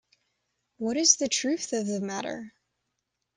What is the truth of the matter?